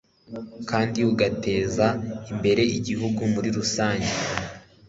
kandi ugateza imbere igihugu muri rusange